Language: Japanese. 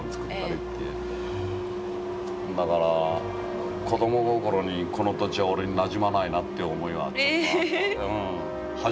だから子ども心にこの土地は俺になじまないなって思いはちょっとあった。